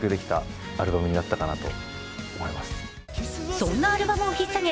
そんなアルバムをひっ提げ